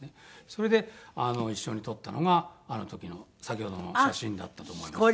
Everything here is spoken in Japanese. それで一緒に撮ったのがあの時の先ほどの写真だったと思います。